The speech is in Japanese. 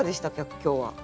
今日は。